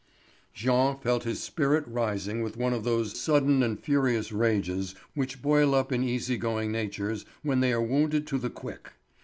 Jean felt his spirit rising with one of those sudden and furious rages which boil up in easy going natures when they are wounded to the quick.